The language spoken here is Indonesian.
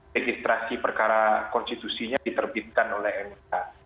registrasi perkara konstitusinya diterbitkan oleh mk